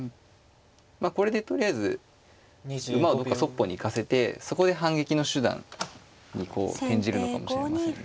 これでとりあえず馬をどっかそっぽに行かせてそこで反撃の手段にこう転じるのかもしれませんね。